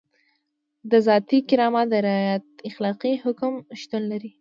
د ذاتي کرامت د رعایت اخلاقي حکم شتون لري.